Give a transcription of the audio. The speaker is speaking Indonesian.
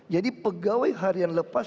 jadi pegawai harian lepas